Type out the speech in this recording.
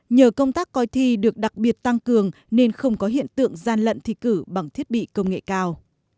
nhờ công tác coi thi được đặc biệt tăng cường nên không có hiện tượng gian lận thi cử bằng thiết bị công nghệ cao